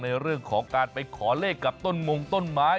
ในเรื่องของการไปขอเลขกับต้นมงต้นไม้